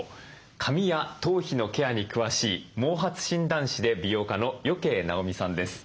髪や頭皮のケアに詳しい毛髪診断士で美容家の余慶尚美さんです。